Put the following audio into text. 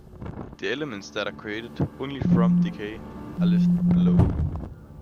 The elements that are created only from decay are listed below.